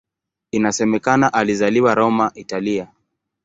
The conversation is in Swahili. Inasemekana alizaliwa Roma, Italia.